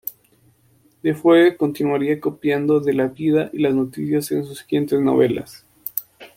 Defoe continuaría copiando de la vida y las noticias en sus siguientes novelas.